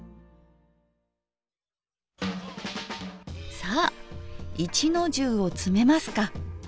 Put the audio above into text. さぁ一の重を詰めますか。